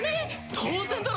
当然だろ！